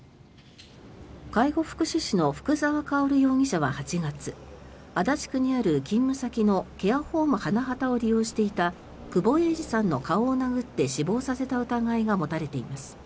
介護福祉士の福澤薫容疑者は８月足立区にある勤務先のケアホーム花畑を利用していた久保榮治さんの顔を殴って死亡させた疑いが持たれています。